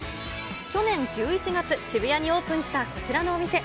去年１１月、渋谷にオープンしたこちらのお店。